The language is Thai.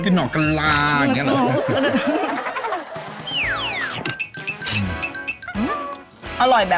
กะเพราทอดไว้